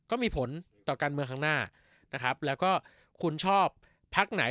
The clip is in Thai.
ก็มีผลต่อการเมืองข้างหน้านะครับแล้วก็คุณชอบพักไหน